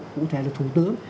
cụ thể là thủ tướng